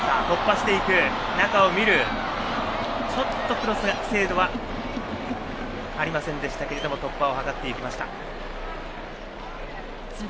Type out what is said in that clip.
クロスの精度はありませんでしたが突破を図っていきましたパラリュエロ。